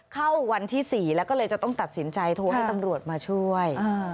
เข้าวันที่๔แล้วก็เลยจะต้องตัดสินใจโทรให้ตำรวจมาช่วย